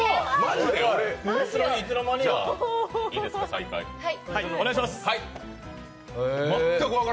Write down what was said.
再開いいですか。